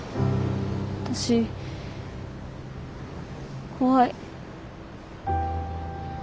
私怖い。